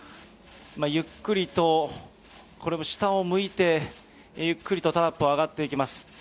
ゆっくりとこれも下を向いて、ゆっくりとタラップを上がっていきます。